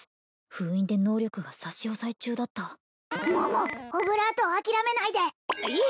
封印で能力が差し押さえ中だった桃オブラートを諦めないでいえ